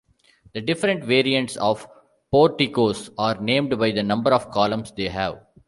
The different variants of porticos are named by the number of columns they have.